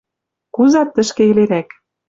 Кузат тӹшкӹ йӹлерӓк